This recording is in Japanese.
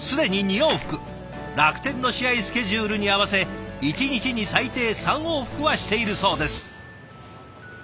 楽天の試合スケジュールに合わせ１日に最低３往復はしているそうです。